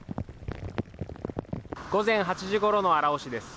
午前８時ごろの荒尾市です。